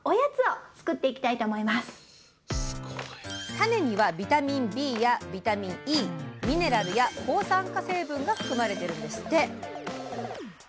種にはビタミンＢやビタミンＥミネラルや抗酸化成分が含まれてるんですって！